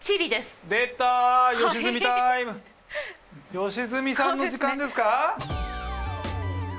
良純さんの時間ですか！？